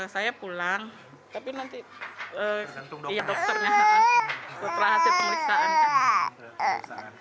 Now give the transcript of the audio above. saya pulang tapi nanti dokternya setelah hasil pemeriksaan kan